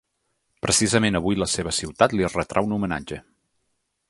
Precisament avui la seva ciutat li retrà un homenatge.